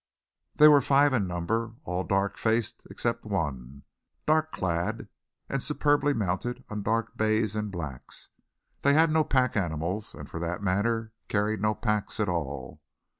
They were five in number, all dark faced except one, dark clad and superbly mounted on dark bays and blacks. They had no pack animals and, for that matter, carried no packs at all.